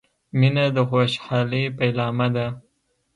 • مینه د خوشحالۍ پیلامه ده.